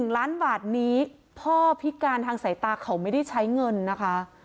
๑ล้านบาทนี้พ่อพิการทางสายตาเขาไม่ได้ใช้เงินนะคะ